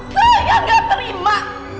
saya gak terima